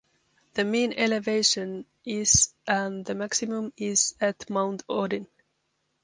The mean elevation is and the maximum is at Mount Odin.